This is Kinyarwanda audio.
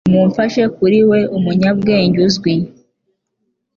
mumfashe kuri we umunyabwenge uzwi